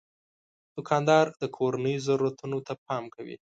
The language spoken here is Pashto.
دوکاندار د کورنیو ضرورتونو ته پام کوي.